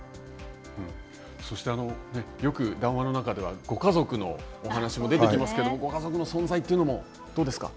そして、よく談話の中ではご家族のお話も出てきますけどもご家族の存在というのもどうですか。